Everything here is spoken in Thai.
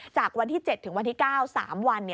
จากวันที่๗๙สามวัน